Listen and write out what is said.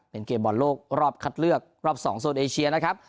เป็นเกมบอลโลกรอบคัดเลือกรอบ๒โซนเอเชียนะครับ